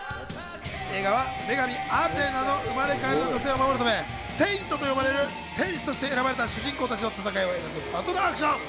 映画は女神アテナの生まれ変わりの女性を守るため、聖闘士と呼ばれる戦士として選ばれた主人公たちの戦いを描くバトルアクション。